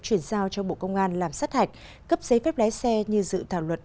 chuyển giao cho bộ công an làm sát hạch cấp giấy phép lái xe như dự thảo luật